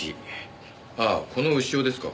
ああこの潮ですか。